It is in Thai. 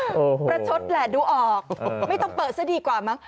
ประชดแหละดูออกไม่ต้องเปิดซะดีกว่ามั้ง